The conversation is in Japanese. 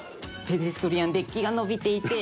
ペデストリアンデッキが延びていて。